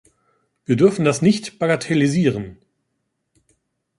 Wir dürfen das nicht bagatellisieren.